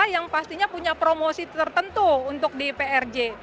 yang pastinya punya promosi tertentu untuk di prj